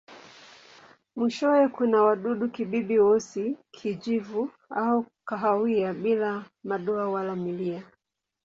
Mwishowe kuna wadudu-kibibi weusi, kijivu au kahawia bila madoa wala milia.